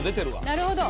なるほど。